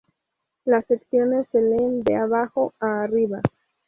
Las secciones se leen de abajo a arriba.